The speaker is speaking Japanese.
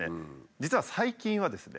実は最近はですね